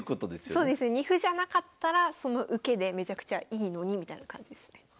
そうですね。二歩じゃなかったらその受けでめちゃくちゃいいのにみたいな感じですね。